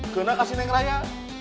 kenapa neng neng neng